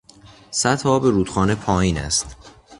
سطح آب رودخانه پایین است.